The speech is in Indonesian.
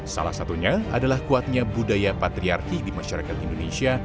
salah satunya adalah kuatnya budaya patriarki di masyarakat indonesia